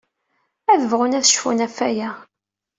Ad bɣun ad cfun ɣef waya.